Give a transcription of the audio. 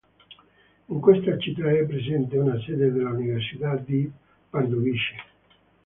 In questa città è presente una sede dell'Università di Pardubice.